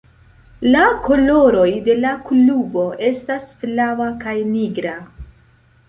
La koloroj de la klubo estas flava kaj nigra.